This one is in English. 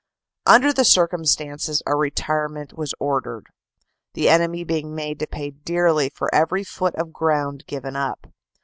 Under the circumstances a retirement was ordered, the enemy being made to pay dearly for every foot of ground given up.